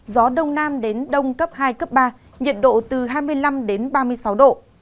gió đông nam đến đông cấp hai cấp ba nhiệt độ từ hai mươi năm đến ba mươi sáu độ